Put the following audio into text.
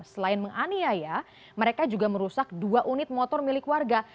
selain menganiaya mereka juga merusak dua unit motor milik warga